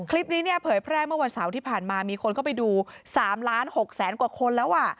คลิปนี้เนี่ยเผยแพร่เมื่อวันเสาร์ที่ผ่านมามีคนเข้าไปดู๓ล้าน๖แสนกว่าคนแล้ว